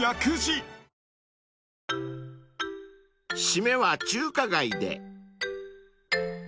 ［締めは中華街で］